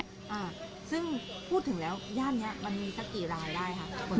อ่าซึ่งพูดถึงแล้วย่านเนี้ยมันมีสักกี่รายได้คะ